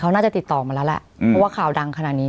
เขาน่าจะติดต่อมาแล้วแหละเพราะว่าข่าวดังขนาดนี้